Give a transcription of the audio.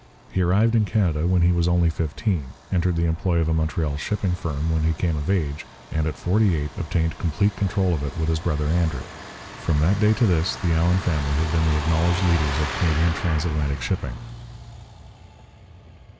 He arrived in Canada when he was only fifteen, entered the employ of a Montreal shipping firm when he came of age, and at forty eight obtained complete control of it with his brother Andrew. From that day to this the Allan family have been the acknowledged leaders of Canadian transatlantic shipping.